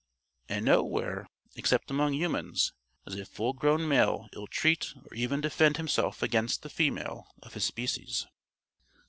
(And nowhere, except among humans, does a full grown male ill treat or even defend himself against the female of his species.)